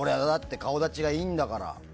顔立ちがいいんだから。